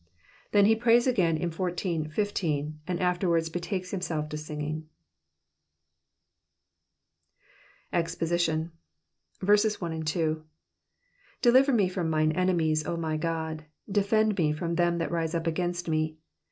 Then he prays again in 14, 15, and afterwards betakes himself to singing, EXPOSITION. DELIVER me from mine enemies, O my God : defend me from them that rise up against me.